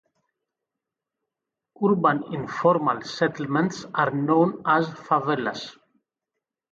Urban informal settlements are known as favelas.